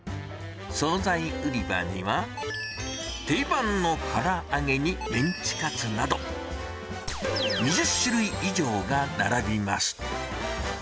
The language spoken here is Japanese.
総菜売り場には、定番のから揚げにメンチカツなど、２０種類以上が並びます。